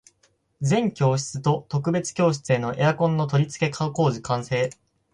全教室と特別教室へのエアコン取り付け工事完成